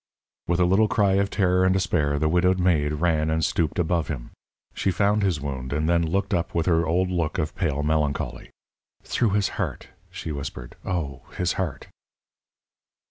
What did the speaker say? With a little cry of terror and despair, the widowed maid ran and stooped above him. She found his wound, and then looked up with her old look of pale melancholy. "Through his heart," she whispered. "Oh, his heart!"